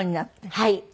はい。